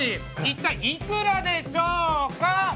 一体いくらでしょうか。